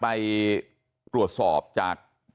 ปรูศอยู่รอสอบจาก